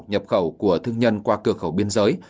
nhập khẩu của thương nhân qua cửa khẩu biên giới